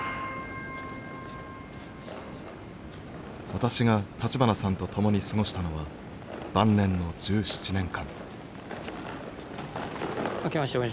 私が立花さんと共に過ごしたのは晩年の１７年間。